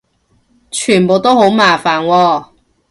全部都好麻煩喎